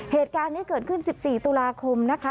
เหตุการณ์นี้เกิดขึ้น๑๔ตุลาคมนะคะ